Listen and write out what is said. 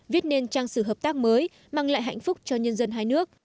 viết nên trang sử hợp tác mới mang lại hạnh phúc cho nhân dân hai nước